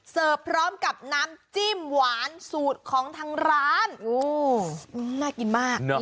เสิร์ฟพร้อมกับน้ำจิ้มหวานสูดของทางร้านโอ้น่ากินมากเนอะ